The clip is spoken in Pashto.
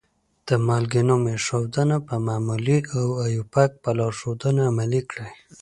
د مالګو نوم ایښودنه په معمولي او آیوپک په لارښودنه عملي کړئ.